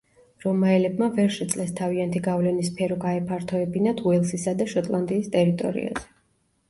რომაელებმა ვერ შეძლეს თავიანთი გავლენის სფერო გაეფართოებინათ უელსისა და შოტლანდიის ტერიტორიაზე.